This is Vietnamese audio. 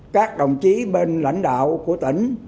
các đồng chí bên lãnh đạo của tỉnh